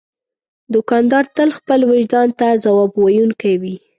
دوکاندار تل خپل وجدان ته ځواب ویونکی وي.